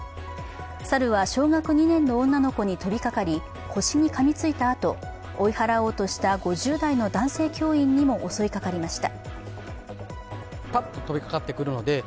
猿は、小学２年の女の子に飛びかかり、腰にかみついたあと、追い払おうとした５０代の男性教員にも襲いかかりました。